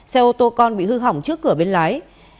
xe ô tô con bị hư hỏng trước cửa bên lái